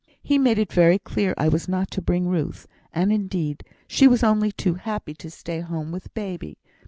He made it very clear I was not to bring Ruth; and, indeed, she was only too happy to stay at home with baby.